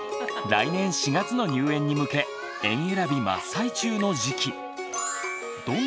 来年４月の入園に向け園えらび真っ最中の時期。